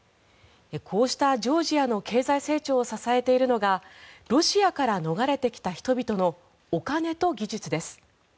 こうしたジョージアの経済成長を支えているのがロシアから逃れてきた人々のお金と技術です。